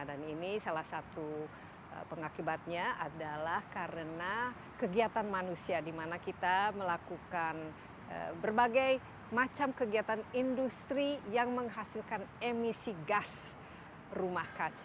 dan ini salah satu pengakibatnya adalah karena kegiatan manusia di mana kita melakukan berbagai macam kegiatan industri yang menghasilkan emisi gas rumah kaca